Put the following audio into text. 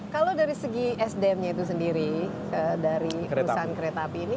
kalau dari segi sdm nya itu sendiri dari perusahaan kereta api ini